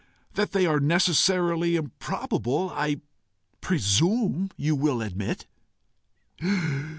That they are necessarily improbable, I presume you will admit."